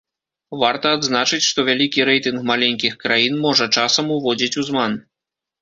Варта адзначыць, што вялікі рэйтынг маленькіх краін можа часам уводзіць у зман.